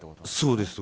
そうです。